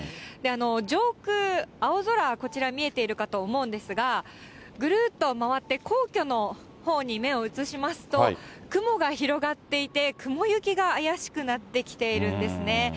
上空、青空、こちら見えているかと思うんですが、ぐるっと回って、皇居のほうに目を移しますと、雲が広がっていて、雲行きが怪しくなってきているんですね。